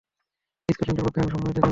স্কটল্যান্ডের পক্ষে, আমি সম্মতি জানাচ্ছি।